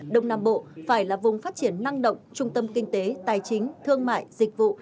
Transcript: đông nam bộ phải là vùng phát triển năng động trung tâm kinh tế tài chính thương mại dịch vụ